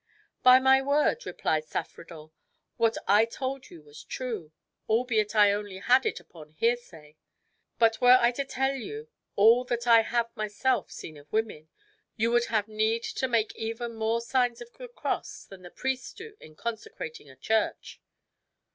"By my word," replied Saffredent, "what I told you was true, albeit I only had it upon hearsay. But were I to tell you all that I have myself seen of women, you would have need to make even more signs of the cross than the priests do in consecrating a church."